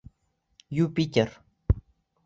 Юпитер!